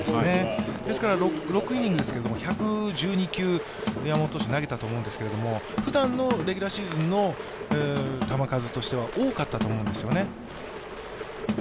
ですから６イニングですけど、１０２球投げたと思うんですけど、ふだんのレギュラーシ−ズンの球数としては多かったと思うんですよね。